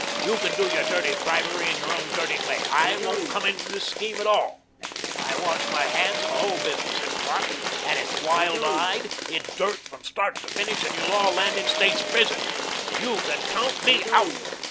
You can do your dirty bribery in your own dirty way. I won't come into this scheme at all. I wash my hands of the whole business. It's rotten and it's wild eyed; it's dirt from start to finish; and you'll all land in State's prison. You can count me out."